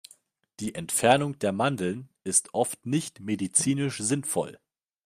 Die Entfernung der Mandeln ist oft nicht medizinisch sinnvoll.